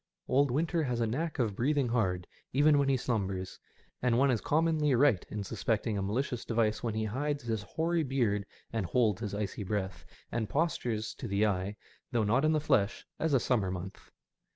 Old winter has a knack of breathing hard even when he slumbers, and one is commonly right in suspecting a malicious * device when he hides his hoary beard and holds his icy breath, and postures to the eye, though not to the flesh, as a summer month.